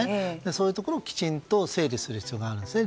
そういうところをきちんと整理する必要があるんですね。